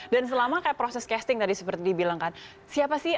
dan selama kayak proses casting tadi seperti dibilangkan siapa sih